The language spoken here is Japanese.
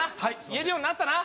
言えるようになったな？